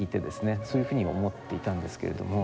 そういうふうに思っていたんですけれども。